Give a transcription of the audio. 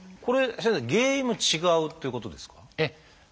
これ先生原因も違うということですか？